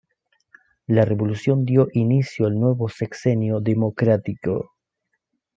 La revolución dio inicio el nuevo Sexenio Democrático.